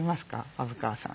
虻川さん。